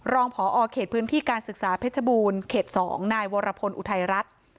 ผอเขตพื้นที่การศึกษาเพชรบูรณ์เขต๒นายวรพลอุทัยรัฐ